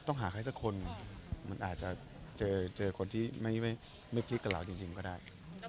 แนะนำเชียร์อะไรอย่างนี้ไหม